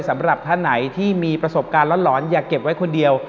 สำหรับท่านไหนที่มีประสบการณ์หลอนอย่าเก็บไว้คนเดียว